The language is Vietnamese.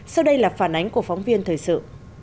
sau đây là phản ánh của phóng viên thời sự